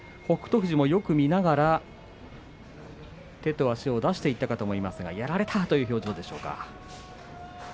富士もよく見ながら手と足を出していったかと思いますけども、やられたという表情でしょうか。